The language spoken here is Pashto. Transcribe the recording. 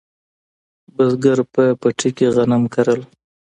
بزګر په پټي کې غنم کرل